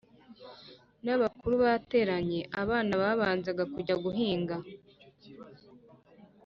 n’abakuru bateranye. Abana babanzaga kujya guhinga.